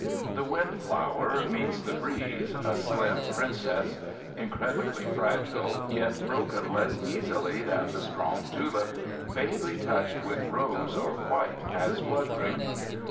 The windflower meets the breeze, a slim princess, incredibly fragile, yet broken less easily than the strong tulip, vaguely touched with rose or white as bloodroot.